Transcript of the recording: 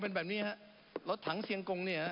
เป็นแบบนี้ฮะรถถังเชียงกงเนี่ย